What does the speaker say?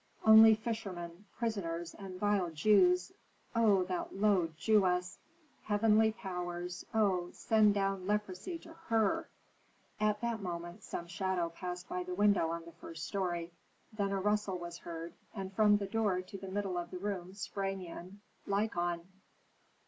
Only fishermen, prisoners, and vile Jews Oh, that low Jewess! Heavenly powers, oh, send down leprosy to her!" At that moment some shadow passed by the window on the first story. Then a rustle was heard, and from the door to the middle of the room sprang in Lykon.